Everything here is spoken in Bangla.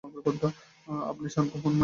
আপনি শান্ত হোন, ম্যাম।